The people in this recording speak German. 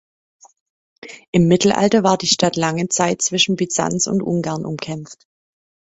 Im Mittelalter war die Stadt lange Zeit zwischen Byzanz und Ungarn umkämpft.